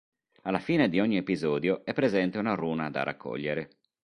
Alla fine di ogni episodio è presente una runa da raccogliere.